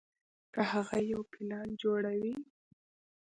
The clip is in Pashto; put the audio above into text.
کۀ هغه يو پلان جوړوي